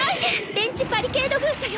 電磁バリケード封鎖よ！